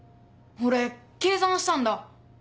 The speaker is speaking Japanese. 俺計算したんだ。